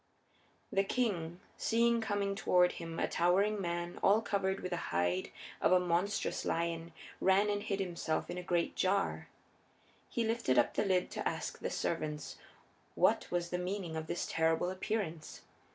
The king, seeing coming toward him a towering man all covered with the hide of a monstrous lion, ran and hid himself in a great jar. He lifted the lid up to ask the servants what was the meaning of this terrible appearance.